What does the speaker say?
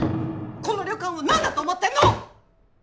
この旅館を何だと思ってんの！